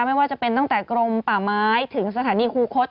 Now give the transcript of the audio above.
ไม่ว่าจะเป็นตั้งแต่กรมป่าไม้ถึงสถานีครูคด